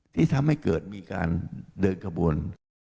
ที่ทำให้เกิดมีการเดินขบวน